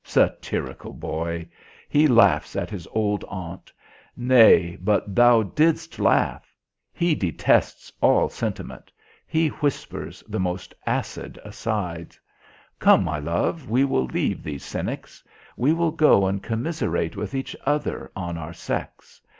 Satirical boy! He laughs at his old aunt: nay, but thou didst laugh. He detests all sentiment. He whispers the most acid asides. Come, my love, we will leave these cynics; we will go and commiserate with each other on our sex.